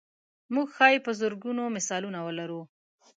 موږ ښایي په زرګونو مثالونه ولرو.